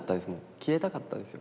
消えたかったですよ